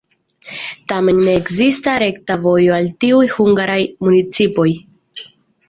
Tamen ne ekzistas rekta vojo al tiuj hungaraj municipoj.